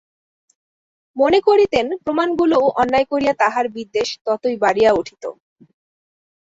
মনে করিতেন, প্রমাণগুলোও অন্যায় করিয়া তাঁহার বিদ্বেষ ততই বাড়িয়া উঠিত।